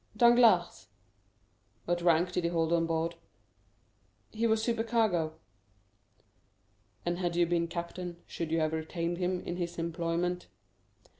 "Danglars." "What rank did he hold on board?" "He was supercargo." "And had you been captain, should you have retained him in his employment?"